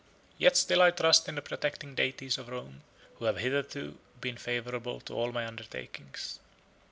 Yet still I trust in the protecting deities of Rome, who have hitherto been favorable to all my undertakings."